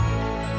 ya udah dut